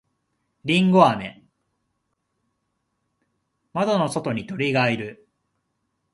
窓の外に鳥がいる。